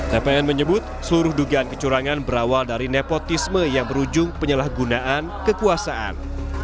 tpn menyebut seluruh dugaan kecurangan berawal dari nepotisme yang berujung penyalahgunaan kekuasaan